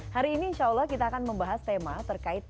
hari ini insya allah kita akan membahas tema terkait